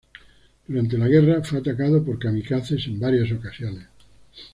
Durante la guerra fue atacado por kamikazes en varias ocasiones.